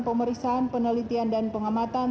pemerisaan penelitian dan pengamatan